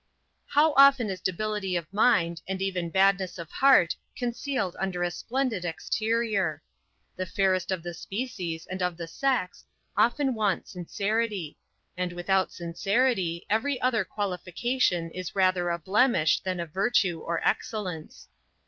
How often is debility of mind, and even badness of heart concealed under a splendid exterior! The fairest of the species, and of the sex, often want sincerity; and without sincerity every other qualification is rather a blemish, than a virtue, or excellence.